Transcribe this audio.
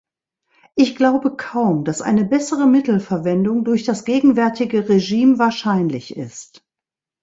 Ich glaube kaum, dass eine bessere Mittelverwendung durch das gegenwärtige Regime wahrscheinlich ist.